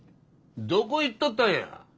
どこ行っとったんや。